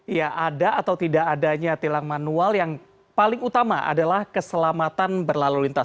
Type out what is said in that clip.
ya ada atau tidak adanya tilang manual yang paling utama adalah keselamatan berlalu lintas